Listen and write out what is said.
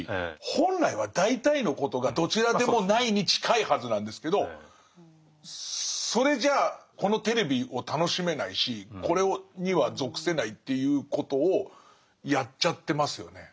本来は大体のことが「どちらでもない」に近いはずなんですけどそれじゃこのテレビを楽しめないしこれには属せないということをやっちゃってますよね。